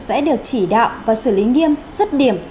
sẽ được chỉ đạo và xử lý nghiêm dứt điểm